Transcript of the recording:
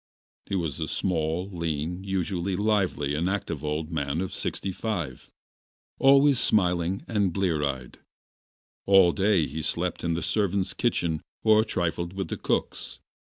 He was a small, lean, unusually lively and active old man of sixty five, always smiling and blear eyed. All day he slept in the servants' kitchen or trifled with the cooks.